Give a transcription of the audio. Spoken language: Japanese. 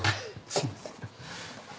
すいません。